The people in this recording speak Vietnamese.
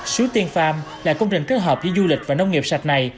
suối tiên farm là công trình kết hợp với du lịch và nông nghiệp sạch này